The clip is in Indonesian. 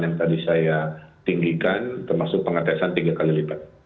yang tadi saya tinggikan termasuk pengetesan tiga kali lipat